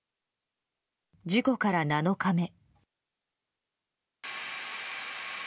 事故から７日目。